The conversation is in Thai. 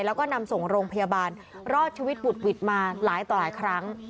แล้วก็นำส่งโรงพยาบาลรอดชีวิตบุดหวิดมาหลายต่อหลายครั้ง